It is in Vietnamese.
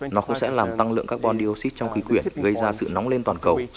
nó cũng sẽ làm tăng lượng các bondi oxy trong khí quyển gây ra sự nóng lên toàn cầu